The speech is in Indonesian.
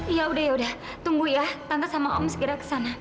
iya udah yaudah tunggu ya tante sama om segera ke sana